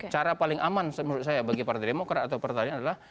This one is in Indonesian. cara paling aman menurut saya bagi partai demokrat atau partai adalah